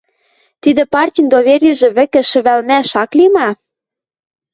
Тидӹ партин доверижӹ вӹкӹ шӹвӓлмӓш ак ли ма?